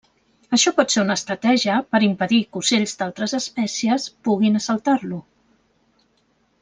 Això pot ser una estratègia per impedir que ocells d'altres espècies puguin assaltar-lo.